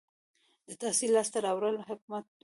• د تحصیل لاسته راوړل حکمت و.